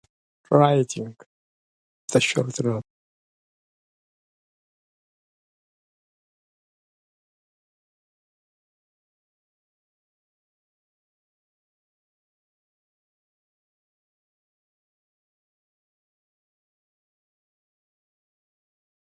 Only Lovett survives.